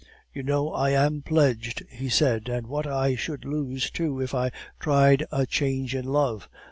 "'You know I am pledged,' he said, 'and what I should lose, too, if I tried a change in love.